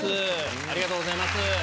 ありがとうございます。